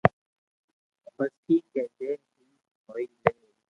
بس ٺيڪ ھي جي ھي ھوئي ليئي